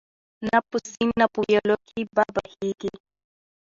نه په سیند نه په ویالو کي به بهیږي